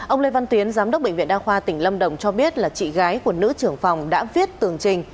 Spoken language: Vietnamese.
ông lê văn tuyến giám đốc bệnh viện đa khoa tỉnh lâm đồng cho biết là chị gái của nữ trưởng phòng đã viết tường trình